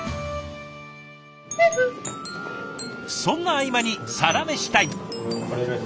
そんな合間にサラメシタイム。